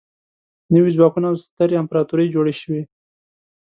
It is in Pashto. نوي ځواکونه او سترې امپراطورۍ جوړې شوې.